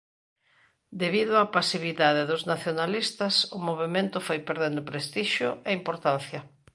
Debido á pasividade dos nacionalistas o movemento foi perdendo prestixio e importancia.